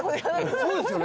そうですよね。